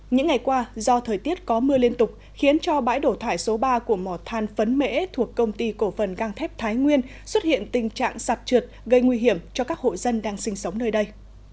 những ngày qua do thời tiết có mưa liên tục khiến cho bãi đổ thải số ba của mò than phấn mễ thuộc công ty cổ phần găng thép thái nguyên xuất hiện tình trạng sạt trượt gây nguy hiểm cho các hộ dân đang sinh sống nơi đây